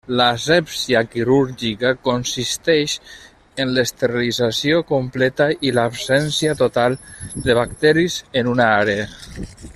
L'asèpsia quirúrgica consisteix en l'esterilització completa i l'absència total de bacteris en una àrea.